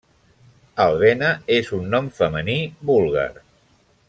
Albena és un nom femení búlgar.